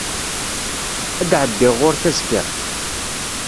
Ad d-εeddiɣ ɣur-k azekka?